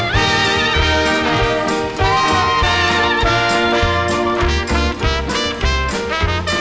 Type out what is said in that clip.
โปรดติดตามต่อไป